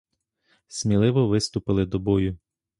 Сміливо виступили до бою!